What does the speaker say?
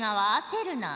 焦るな。